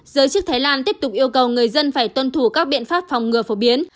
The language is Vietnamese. giới chức thái lan tiếp tục yêu cầu người dân phải tuân thủ các biện pháp phòng ngừa phổ biến